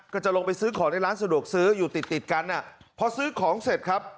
ก็จะลงไปซื้อของในร้านสะดวกซื้ออยู่ติดติดกันอ่ะพอซื้อของเสร็จครับ